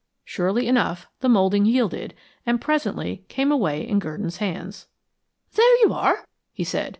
Surely enough, the moulding yielded, and presently came away in Gurdon's hands. "There you are," he said.